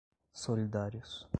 solidários